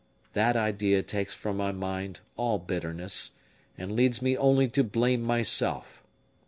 That idea takes from my mind all bitterness, and leads me only to blame myself.